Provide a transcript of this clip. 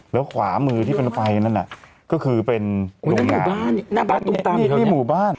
แล้วขวามือที่เป็นไฟนั่นน่ะก็คือเป็นโรงงาน